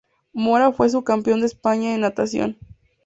Mora fue subcampeón de España en natación.